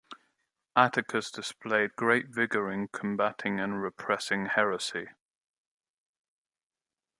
Atticus displayed great vigour in combating and repressing heresy.